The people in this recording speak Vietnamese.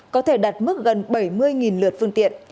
có thể đạt mức gần bảy mươi lượt phương tiện